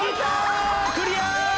クリアー！